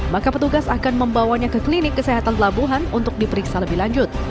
maka petugas akan membawanya ke klinik kesehatan pelabuhan untuk diperiksa lebih lanjut